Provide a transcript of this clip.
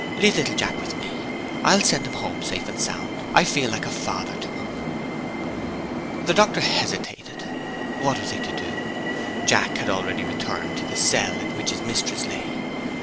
Leave little Jack with me! I'll send him home safe and sound I feel like a father to him." The doctor hesitated. What was he to do? Jack had already returned to the cell in which his mistress lay.